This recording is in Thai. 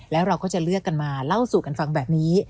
แล้วเราก็จะเลือกกันมาเล่าสู่กันฟังแบบนี้